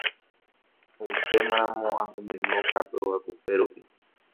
upémaramo asẽmeme okápe ogakupérupi